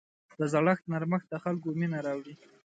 د زړه نرمښت د خلکو مینه راوړي.